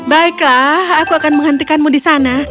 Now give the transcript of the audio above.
baiklah aku akan menghentikanmu di sana